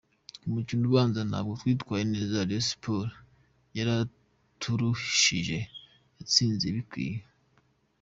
Ku mukino ubanza ntabwo twitwaye neza, Rayon Sports yaraturushije yatsinze ibikwiye.